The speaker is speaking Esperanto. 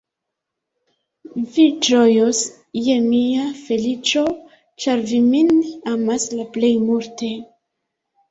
Vi ĝojos je mia feliĉo, ĉar vi min amas la plej multe!